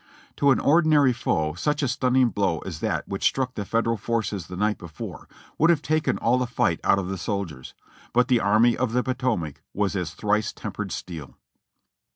To an ordinary foe, such a stunning blow as that which struck the Federal forces the night before would have taken all the fight out of the soldiers; but the Army of the Potomac was as thrice tempered steel.